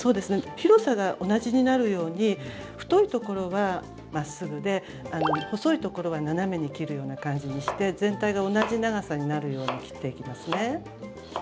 広さが同じになるように太いところはまっすぐで細いところは斜めに切るような感じにして全体が同じ長さになるように切っていきますね。